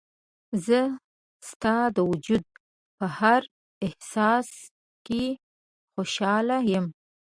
زه ستا د وجود په هر احساس کې خوشحاله یم.